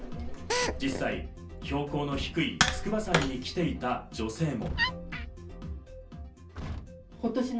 実際、標高の低い筑波山に来ていた女性も。